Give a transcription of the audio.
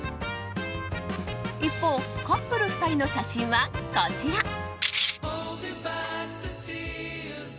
一方、カップル２人の写真はこちら。